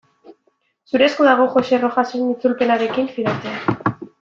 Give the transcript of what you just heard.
Zure esku dago Joxe Rojasen itzulpenarekin fidatzea.